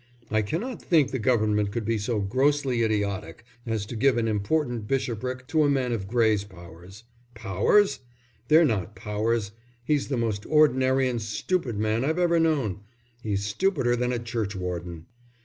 I cannot think the Government could be so grossly idiotic as to give an important bishopric to a man of Gray's powers. Powers? They're not powers; he's the most ordinary and stupid man I've ever known. He's stupider than a churchwarden."